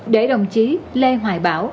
để đồng chí lê hoài bảo